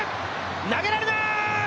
投げられない！